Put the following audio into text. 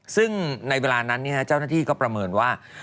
ซึ่งในเวลานั้นเจ้าหน้าที่ก็ประเมินว่า